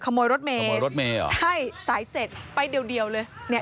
ขโมยรถเมย์ขโมยรถเมย์เหรอใช่สายเจ็ดไปเดียวเดียวเลยเนี่ย